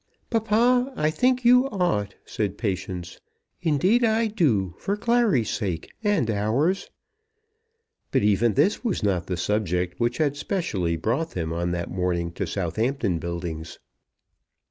"Papa, I think you ought," said Patience. "Indeed I do, for Clary's sake, and ours." But even this was not the subject which had specially brought them on that morning to Southampton Buildings.